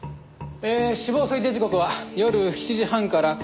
えー死亡推定時刻は夜７時半から９時半の間。